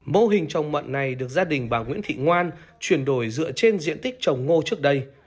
mô hình trồng mận này được gia đình bà nguyễn thị ngoan chuyển đổi dựa trên diện tích trồng ngô trước đây